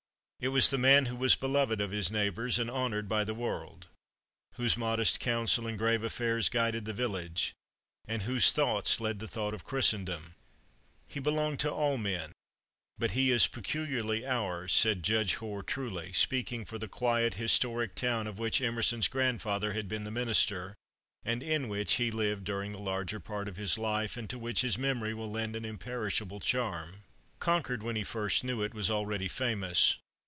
It was the man who was beloved of his neighbors and honored by the world, whose modest counsel in grave affairs guided the village, and whose thought led the thought of Christendom. "He belonged to all men, but he is peculiarly ours," said Judge Hoar truly, speaking for the quiet historic town of which Emerson's grandfather had been the minister, and in which he lived during the larger part of his life, and to which his memory will lend an imperishable charm. Concord when he first knew it was already famous.